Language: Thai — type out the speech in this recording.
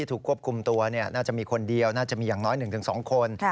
ถูกควบคุมตัวน่าจะมีคนเดียวน่าจะมีอย่างน้อย๑๒คน